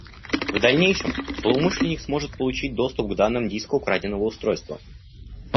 В дальнейшем злоумышленник сможет получить доступ к данным диска украденного устройства